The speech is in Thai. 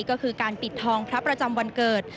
ก็คือการปิดทองพระประจำวันเกิด